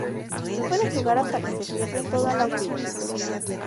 Se puede jugar hasta que se pierden todas las vidas.